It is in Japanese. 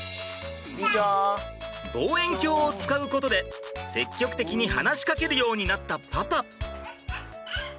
望遠鏡を使うことで積極的に話しかけるようになったパパ。